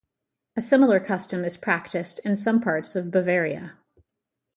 A similar custom is practiced in some parts of Bavaria.